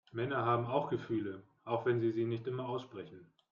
Männer haben auch Gefühle, auch wenn sie sie nicht immer aussprechen.